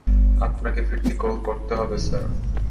আপনাকে ফিরতি কল করতে হবে, স্যার।